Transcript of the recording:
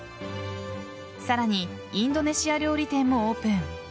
さらにインドネシア料理店もオープン。